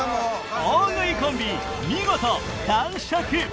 大食いコンビ見事完食